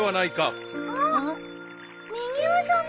みぎわさんだ。